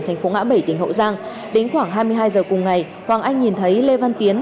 thành phố ngã bảy tỉnh hậu giang đến khoảng hai mươi hai giờ cùng ngày hoàng anh nhìn thấy lê văn tiến